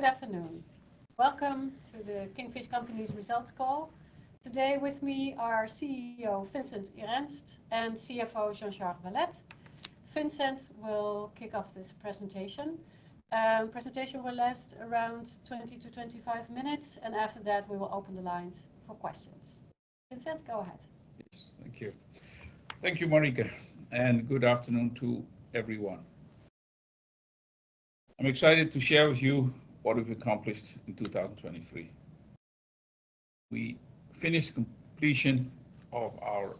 Good afternoon. Welcome to the Kingfish Company's results call. Today with me are CEO Vincent Erenst and CFO Jean-Charles Valette. Vincent will kick off this presentation. The presentation will last around 20 minutes-25 minutes, and after that we will open the lines for questions. Vincent, go ahead. Yes, thank you. Thank you, Marieke, and good afternoon to everyone. I'm excited to share with you what we've accomplished in 2023. We finished completion of our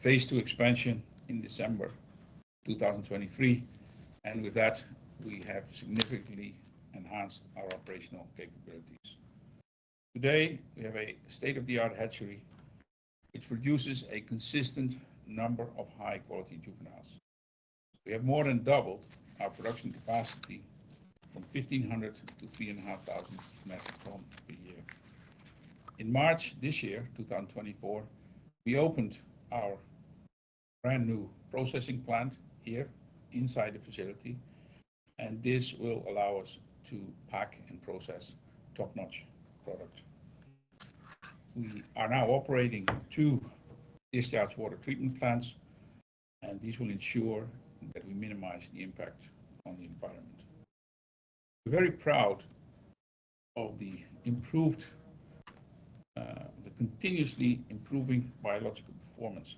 Phase II expansion in December 2023, and with that we have significantly enhanced our operational capabilities. Today we have a state-of-the-art hatchery, which produces a consistent number of high-quality juveniles. We have more than doubled our production capacity from 1,500 metric tons per year to 3,500 metric tons per year. In March this year, 2024, we opened our brand new processing plant here inside the facility, and this will allow us to pack and process top-notch product. We are now operating two discharge water treatment plants, and these will ensure that we minimize the impact on the environment. We're very proud of the continuously improving biological performance.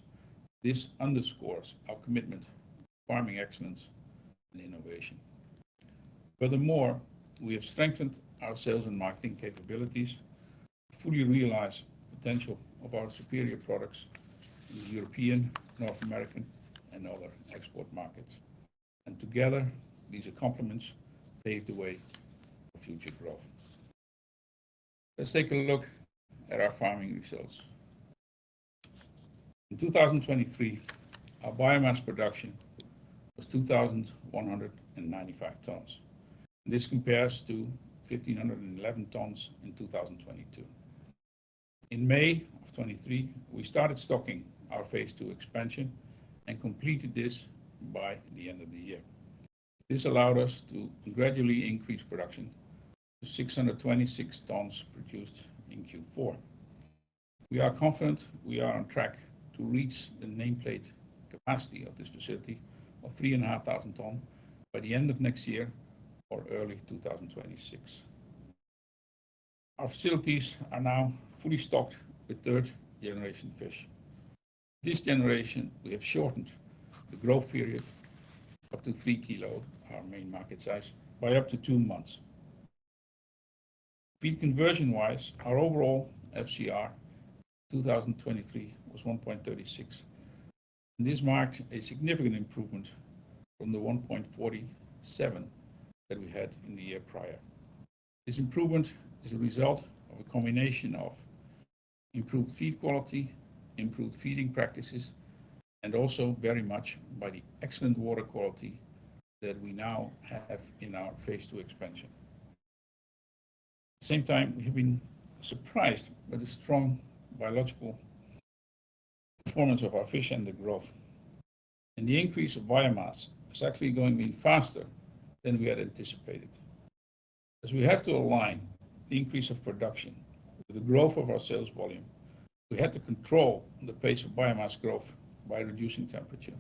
This underscores our commitment to farming excellence and innovation. Furthermore, we have strengthened our sales and marketing capabilities to fully realize the potential of our superior products in the European, North American, and other export markets. Together, these accomplishments pave the way for future growth. Let's take a look at our farming results. In 2023, our biomass production was 2,195 tons. This compares to 1,511 tons in 2022. In May of 2023, we started stocking our Phase II expansion and completed this by the end of the year. This allowed us to gradually increase production to 626 tons produced in Q4. We are confident we are on track to reach the nameplate capacity of this facility of 3,500 tons by the end of next year or early 2026. Our facilities are now fully stocked with third-generation fish. This generation, we have shortened the growth period up to three kilos, our main market size, by up to two months. Feed conversion-wise, our overall FCR in 2023 was 1.36, and this marked a significant improvement from the 1.47 that we had in the year prior. This improvement is a result of a combination of improved feed quality, improved feeding practices, and also very much by the excellent water quality that we now have in our Phase II expansion. At the same time, we have been surprised by the strong biological performance of our fish and the growth. The increase of biomass is actually going faster than we had anticipated. As we have to align the increase of production with the growth of our sales volume, we had to control the pace of biomass growth by reducing temperature.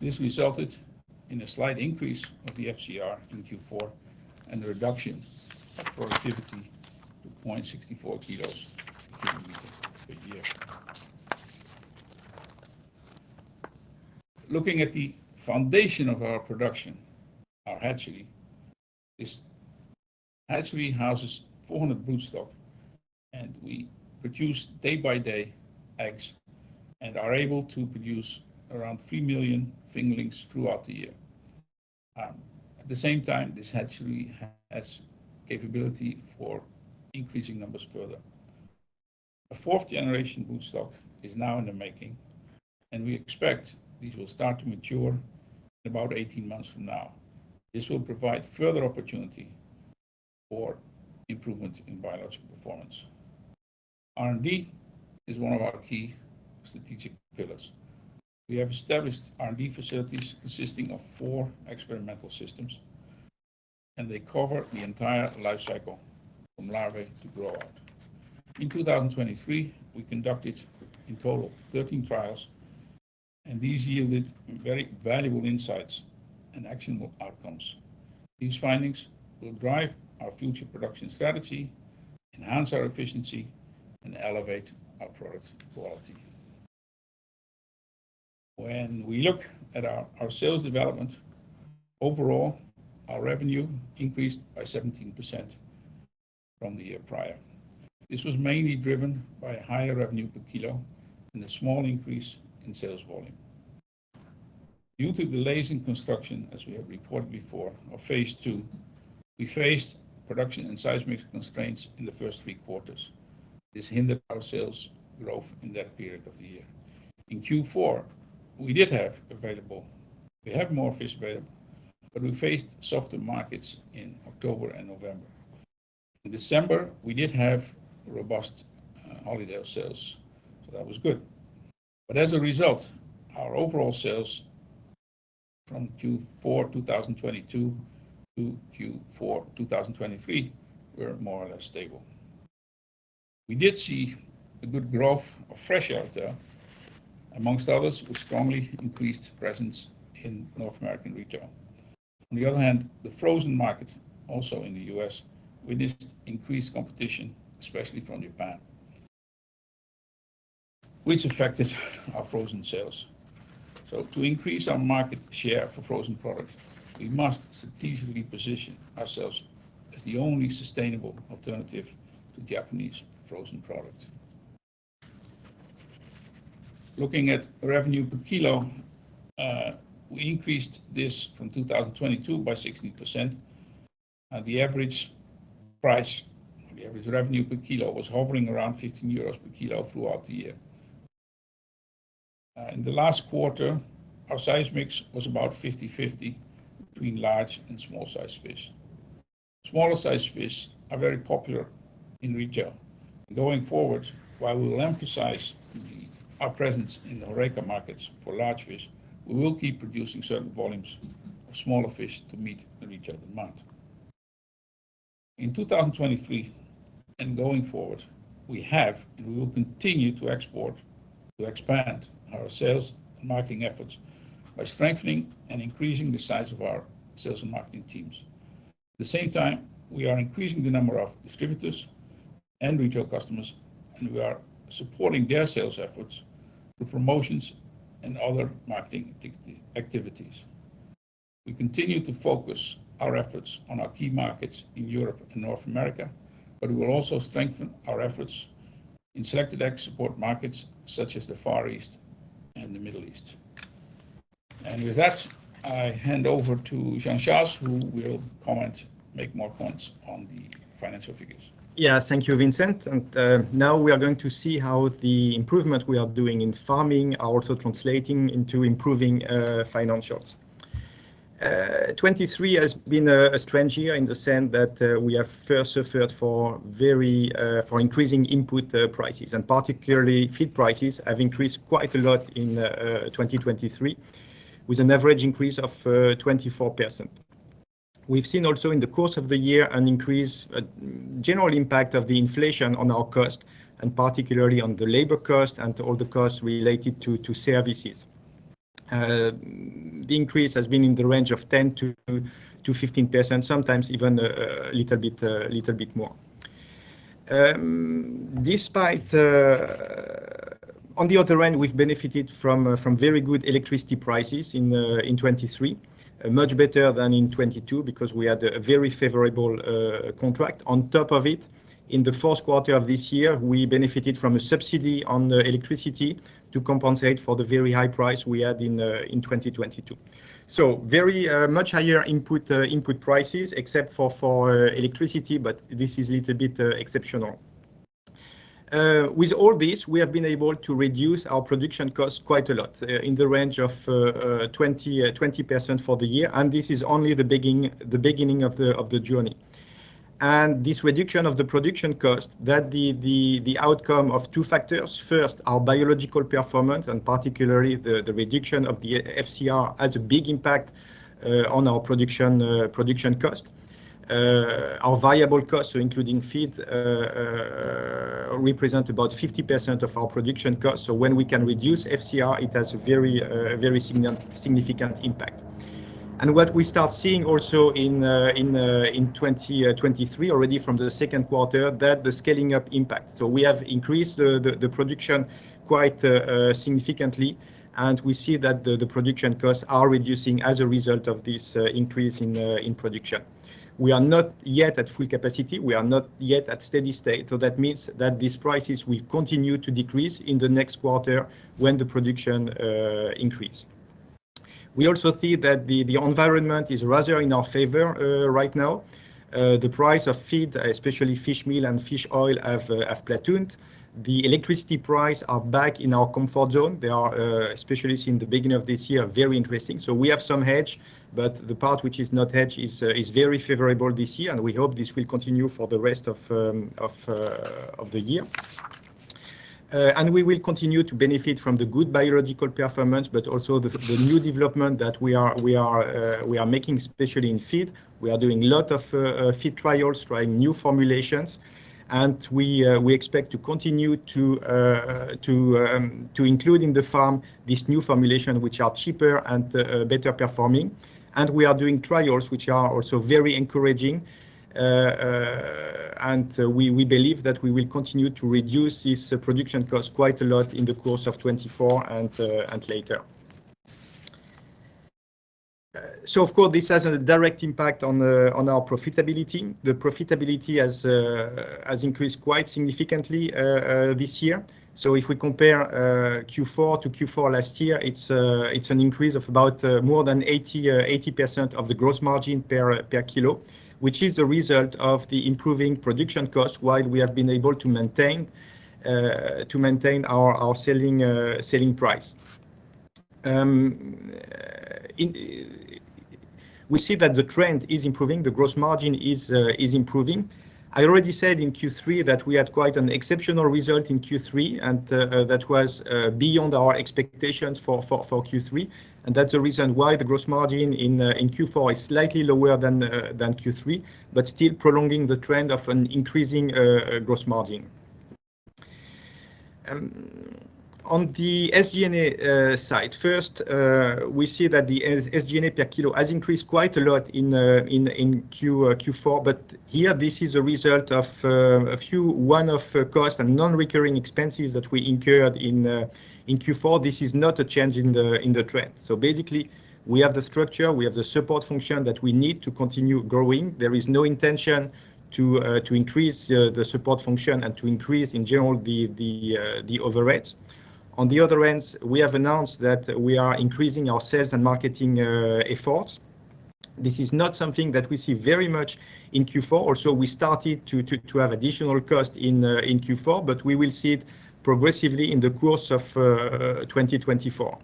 This resulted in a slight increase of the FCR in Q4 and a reduction of productivity to 0.64 kilos per cubic meter per year. Looking at the foundation of our production, our hatchery, this hatchery houses 400 broodstock, and we produce day-by-day eggs and are able to produce around 3 million fingerlings throughout the year. At the same time, this hatchery has capability for increasing numbers further. A fourth-generation broodstock is now in the making, and we expect these will start to mature in about 18 months from now. This will provide further opportunity for improvement in biological performance. R&D is one of our key strategic pillars. We have established R&D facilities consisting of four experimental systems, and they cover the entire lifecycle from larvae to grow-out. In 2023, we conducted in total 13 trials, and these yielded very valuable insights and actionable outcomes. These findings will drive our future production strategy, enhance our efficiency, and elevate our product quality. When we look at our sales development overall, our revenue increased by 17% from the year prior. This was mainly driven by a higher revenue per kilo and a small increase in sales volume. Due to the delayed construction, as we have reported before, of Phase II, we faced production and size mix constraints in the first three quarters. This hindered our sales growth in that period of the year. In Q4, we have more fish available, but we faced softer markets in October and November. In December, we did have robust holiday sales, so that was good. But as a result, our overall sales from Q4 2022 to Q4 2023 were more or less stable. We did see a good growth of fresh out there, among others with strongly increased presence in North American retail. On the other hand, the frozen market, also in the U.S., witnessed increased competition, especially from Japan, which affected our frozen sales. So to increase our market share for frozen products, we must strategically position ourselves as the only sustainable alternative to Japanese frozen product. Looking at revenue per kilo, we increased this from 2022 by 16%. The average price or the average revenue per kilo was hovering around €15 per kilo throughout the year. In the last quarter, our size mix was about 50/50 between large and small-sized fish. Smaller-sized fish are very popular in retail. Going forward, while we will emphasize our presence in the Horeca markets for large fish, we will keep producing certain volumes of smaller fish to meet the retail demand. In 2023 and going forward, we have and we will continue to export to expand our sales and marketing efforts by strengthening and increasing the size of our sales and marketing teams. At the same time, we are increasing the number of distributors and retail customers, and we are supporting their sales efforts through promotions and other marketing activities. We continue to focus our efforts on our key markets in Europe and North America, but we will also strengthen our efforts in selected export markets such as the Far East and the Middle East. With that, I hand over to Jean-Charles, who will comment, make more points on the financial figures. Yeah, thank you, Vincent. Now we are going to see how the improvements we are doing in farming are also translating into improving financials. 2023 has been a strange year in the sense that we have first suffered for increasing input prices, and particularly feed prices have increased quite a lot in 2023 with an average increase of 24%. We've seen also in the course of the year an increase in the general impact of the inflation on our costs, and particularly on the labor costs and all the costs related to services. The increase has been in the range of 10%-15%, sometimes even a little bit more. On the other hand, we've benefited from very good electricity prices in 2023, much better than in 2022 because we had a very favorable contract. On top of it, in the fourth quarter of this year, we benefited from a subsidy on electricity to compensate for the very high price we had in 2022. So very much higher input prices except for electricity, but this is a little bit exceptional. With all this, we have been able to reduce our production costs quite a lot in the range of 20% for the year, and this is only the beginning of the journey. And this reduction of the production cost, that's the outcome of two factors. First, our biological performance, and particularly the reduction of the FCR has a big impact on our production cost. Our variable costs, including feed, represent about 50% of our production costs. So when we can reduce FCR, it has a very significant impact. And what we start seeing also in 2023, already from the second quarter, that's the scaling-up impact. So we have increased the production quite significantly, and we see that the production costs are reducing as a result of this increase in production. We are not yet at full capacity. We are not yet at steady state. So that means that these prices will continue to decrease in the next quarter when the production increases. We also see that the environment is rather in our favor right now. The price of feed, especially fishmeal and fish oil, have plateaued. The electricity prices are back in our comfort zone. They are, especially in the beginning of this year, very interesting. So we have some hedge, but the part which is not hedged is very favorable this year, and we hope this will continue for the rest of the year. We will continue to benefit from the good biological performance, but also the new development that we are making, especially in feed. We are doing a lot of feed trials, trying new formulations, and we expect to continue to include in the farm these new formulations, which are cheaper and better performing. And we are doing trials, which are also very encouraging, and we believe that we will continue to reduce these production costs quite a lot in the course of 2024 and later. So, of course, this has a direct impact on our profitability. The profitability has increased quite significantly this year. So if we compare Q4 to Q4 last year, it's an increase of about more than 80% of the gross margin per kilo, which is the result of the improving production costs while we have been able to maintain our selling price. We see that the trend is improving. The gross margin is improving. I already said in Q3 that we had quite an exceptional result in Q3, and that was beyond our expectations for Q3. That's the reason why the gross margin in Q4 is slightly lower than Q3, but still prolonging the trend of an increasing gross margin. On the SG&A side, first, we see that the SG&A per kilo has increased quite a lot in Q4, but here, this is a result of a few one-off costs and non-recurring expenses that we incurred in Q4. This is not a change in the trend. Basically, we have the structure. We have the support function that we need to continue growing. There is no intention to increase the support function and to increase, in general, the overhead. On the other hand, we have announced that we are increasing our sales and marketing efforts. This is not something that we see very much in Q4. Also, we started to have additional costs in Q4, but we will see it progressively in the course of 2024.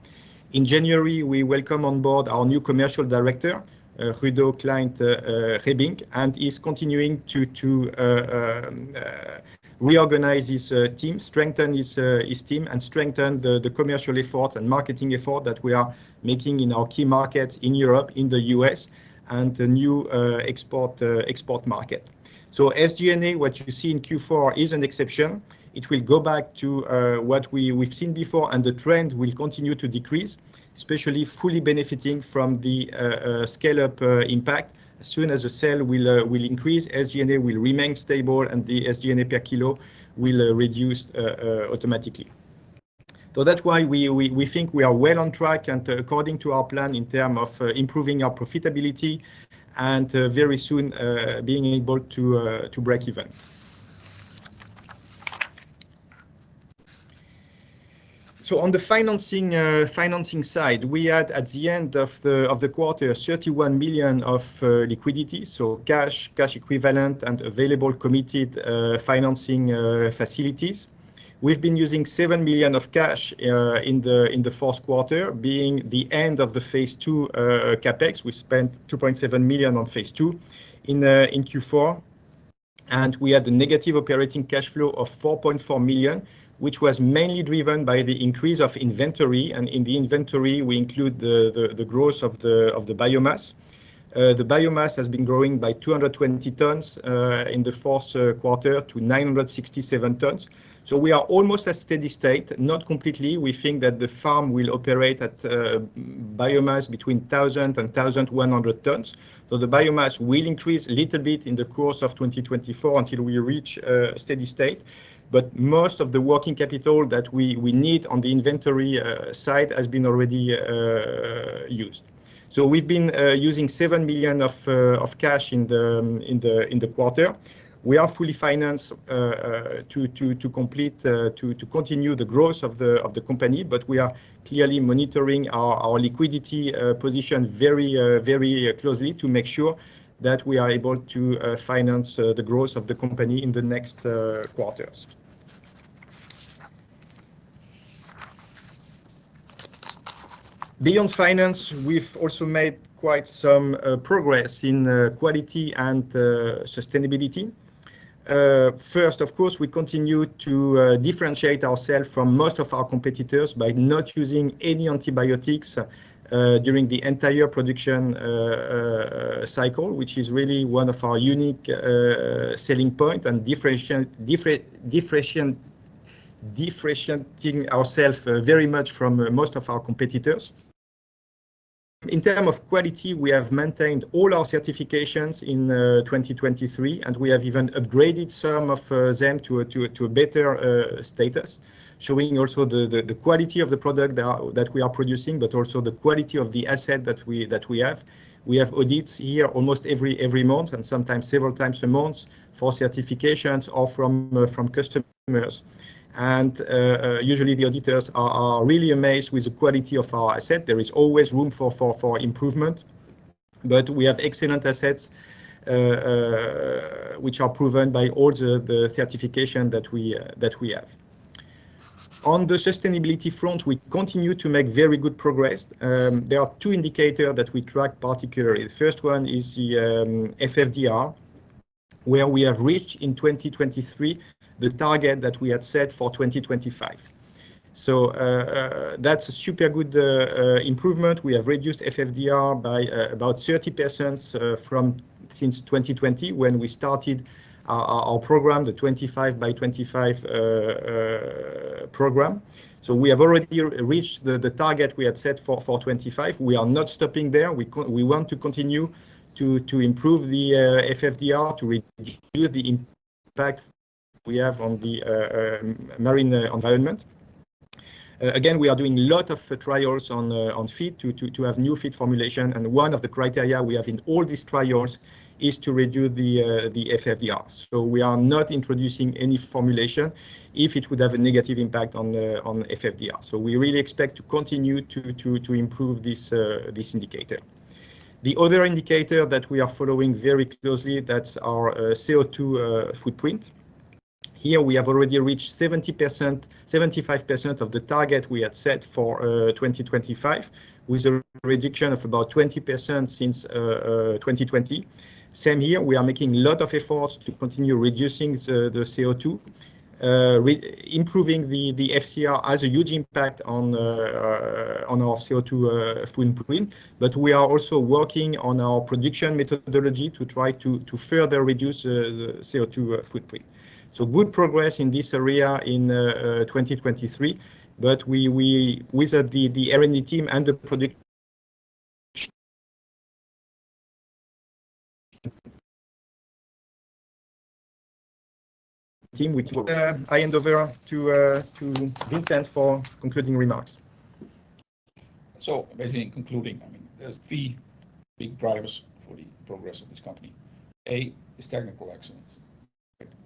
In January, we welcome on board our new commercial director, Gudo Klein Gebbink, and he's continuing to reorganize his team, strengthen his team, and strengthen the commercial efforts and marketing efforts that we are making in our key markets in Europe, in the U.S., and the new export market. SG&A, what you see in Q4 is an exception. It will go back to what we've seen before, and the trend will continue to decrease, especially fully benefiting from the scale-up impact. As soon as the sale will increase, SG&A will remain stable, and the SG&A per kilo will reduce automatically. So that's why we think we are well on track and according to our plan in terms of improving our profitability and very soon being able to break even. So on the financing side, we had, at the end of the quarter, 31 million of liquidity, so cash equivalent and available committed financing facilities. We've been using 7 million of cash in the fourth quarter, being the end of the Phase II Capex. We spent 2.7 million on Phase II in Q4, and we had a negative operating cash flow of 4.4 million, which was mainly driven by the increase of inventory. And in the inventory, we include the growth of the biomass. The biomass has been growing by 220 tons in the fourth quarter to 967 tons. So we are almost at steady state, not completely. We think that the farm will operate at biomass between 1,000 tons-1,100 tons. So the biomass will increase a little bit in the course of 2024 until we reach steady state, but most of the working capital that we need on the inventory side has been already used. So we've been using 7 million of cash in the quarter. We are fully financed to complete, to continue the growth of the company, but we are clearly monitoring our liquidity position very, very closely to make sure that we are able to finance the growth of the company in the next quarters. Beyond finance, we've also made quite some progress in quality and sustainability. First, of course, we continue to differentiate ourselves from most of our competitors by not using any antibiotics during the entire production cycle, which is really one of our unique selling points and differentiating ourselves very much from most of our competitors. In terms of quality, we have maintained all our certifications in 2023, and we have even upgraded some of them to a better status, showing also the quality of the product that we are producing, but also the quality of the asset that we have. We have audits here almost every month and sometimes several times a month for certifications or from customers. Usually, the auditors are really amazed with the quality of our asset. There is always room for improvement, but we have excellent assets, which are proven by all the certifications that we have. On the sustainability front, we continue to make very good progress. There are two indicators that we track particularly. The first one is the FFDR, where we have reached in 2023 the target that we had set for 2025. So that's a super good improvement. We have reduced FFDR by about 30% since 2020 when we started our program, the 25x25 program. So we have already reached the target we had set for 25. We are not stopping there. We want to continue to improve the FFDR, to reduce the impact we have on the marine environment. Again, we are doing a lot of trials on feed to have new feed formulation, and one of the criteria we have in all these trials is to reduce the FFDR. So we really expect to continue to improve this indicator. The other indicator that we are following very closely, that's our CO2 footprint. Here, we have already reached 75% of the target we had set for 2025 with a reduction of about 20% since 2020. Same here. We are making a lot of efforts to continue reducing the CO2, improving the FCR has a huge impact on our CO2 footprint, but we are also working on our production methodology to try to further reduce the CO2 footprint. So good progress in this area in 2023, but with the R&D team and the production team. I hand over to Vincent for concluding remarks. So basically concluding, I mean. Three big drivers for the progress of this company. A is technical excellence.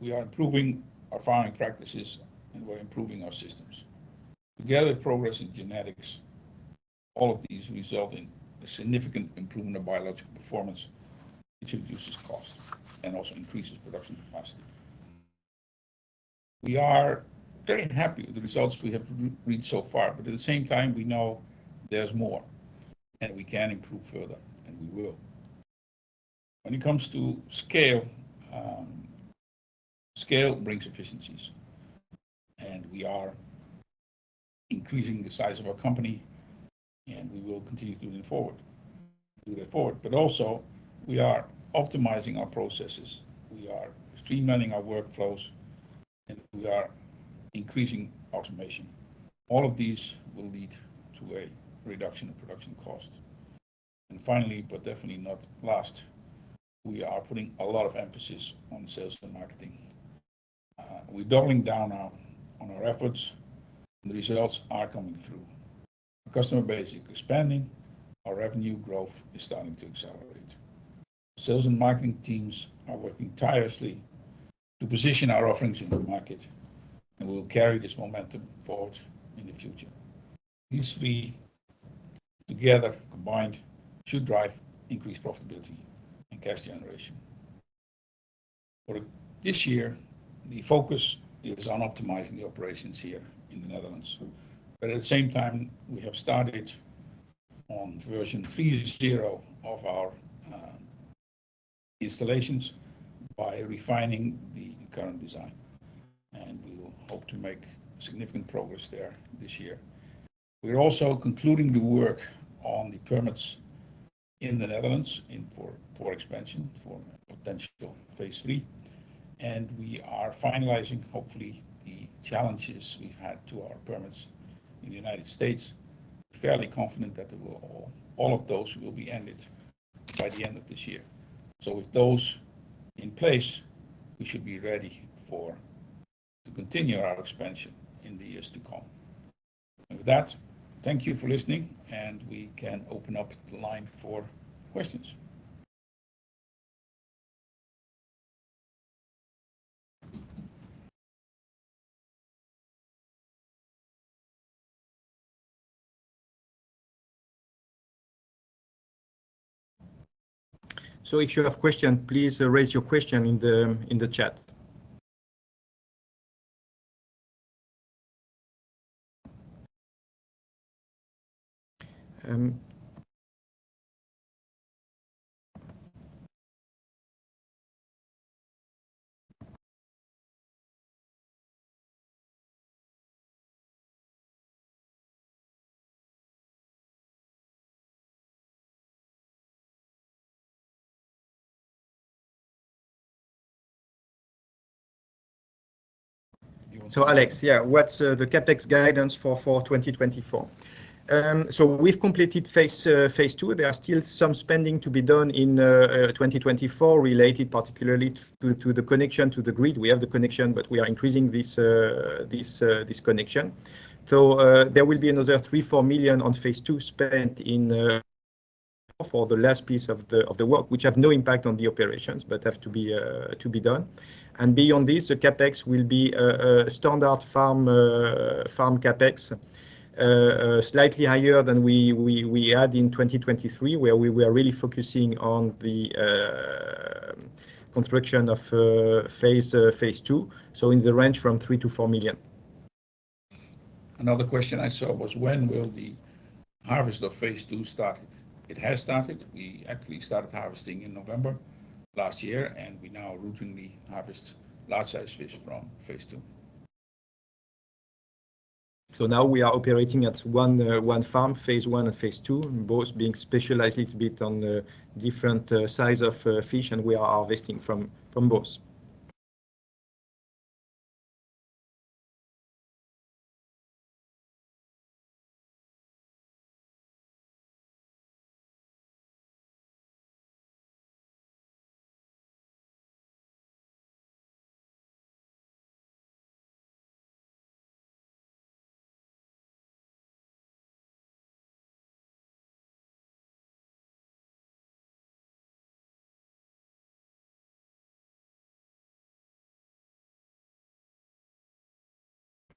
We are improving our farming practices, and we're improving our systems. Together with progress in genetics, all of these result in a significant improvement of biological performance, which reduces cost and also increases production capacity. We are very happy with the results we have reached so far, but at the same time, we know there's more, and we can improve further, and we will. When it comes to scale, scale brings efficiencies, and we are increasing the size of our company, and we will continue to do it forward. But also, we are optimizing our processes. We are streamlining our workflows, and we are increasing automation. All of these will lead to a reduction of production cost. Finally, but definitely not last, we are putting a lot of emphasis on sales and marketing. We're doubling down on our efforts, and the results are coming through. Our customer base is expanding. Our revenue growth is starting to accelerate. Sales and marketing teams are working tirelessly to position our offerings in the market, and we will carry this momentum forward in the future. These three together, combined, should drive increased profitability and cash generation. For this year, the focus is on optimizing the operations here in the Netherlands. But at the same time, we have started on version 3.0 of our installations by refining the current design, and we will hope to make significant progress there this year. We're also concluding the work on the permits in the Netherlands for expansion for potential Phase III, and we are finalizing, hopefully, the challenges we've had to our permits in the United States. Fairly confident that all of those will be ended by the end of this year. So with those in place, we should be ready to continue our expansion in the years to come. With that, thank you for listening, and we can open up the line for questions. So if you have a question, please raise your question in the chat. So Alex, yeah, what's the CapEx guidance for 2024? So we've completed Phase II. There are still some spending to be done in 2024 related particularly to the connection to the grid. We have the connection, but we are increasing this connection. So there will be another 3 million-4 million on Phase II spent for the last piece of the work, which have no impact on the operations but have to be done. And beyond this, the CapEx will be standard farm CapEx, slightly higher than we had in 2023, where we were really focusing on the construction of Phase II. So in the range from 3 million-4 million. Another question I saw was, when will the harvest of Phase II start? It has started. We actually started harvesting in November last year, and we now routinely harvest large-sized fish from Phase II. Now we are operating at one farm, Phase I and Phase II, both being specialized a little bit on different size of fish, and we are harvesting from both.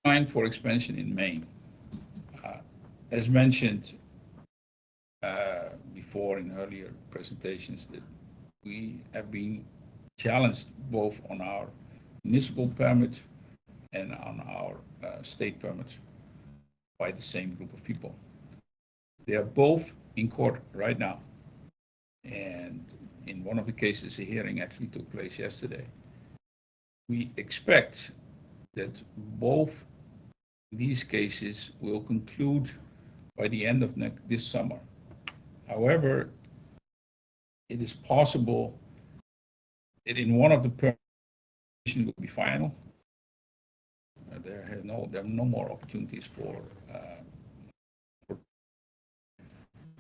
Fine for expansion in Maine. As mentioned before in earlier presentations, we have been challenged both on our municipal permit and on our state permit by the same group of people. They are both in court right now, and in one of the cases, a hearing actually took place yesterday. We expect that both these cases will conclude by the end of this summer. However, it is possible that in one of the permits it will be final. There are no more opportunities for.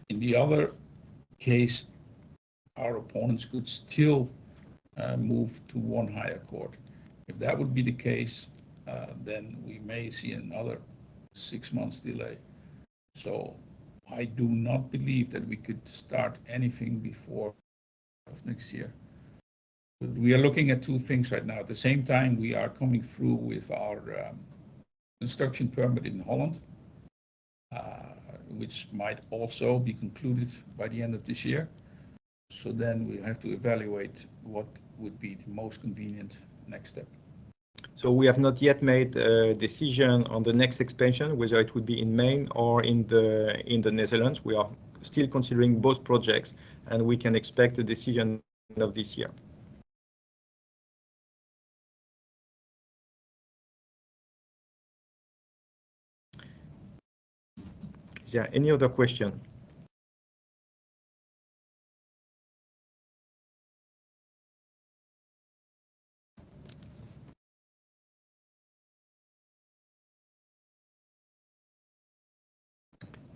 In the other case, our opponents could still move to one higher court. If that would be the case, then we may see another six months delay. So I do not believe that we could start anything before next year. We are looking at two things right now. At the same time, we are coming through with our construction permit in Holland, which might also be concluded by the end of this year. So then we have to evaluate what would be the most convenient next step. So we have not yet made a decision on the next expansion, whether it would be in Maine or in the Netherlands. We are still considering both projects, and we can expect a decision of this year. Is there any other question?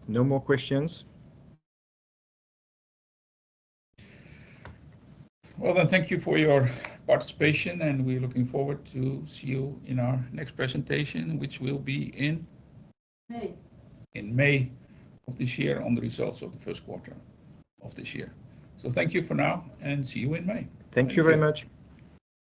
No more questions? Well then, thank you for your participation, and we're looking forward to seeing you in our next presentation, which will be in? May. In May of this year, on the results of the first quarter of this year. So thank you for now, and see you in May. Thank you very much.